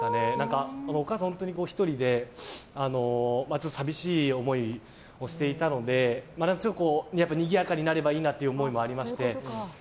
本当に１人で寂しい思いをしていたのでにぎやかになればいいなという思いもありまして。